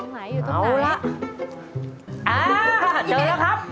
ไหนอยู่ตรงไหนเอาล่ะอ๋อเจอแล้วครับ